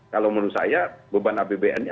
kalau menurut saya beban apbn nya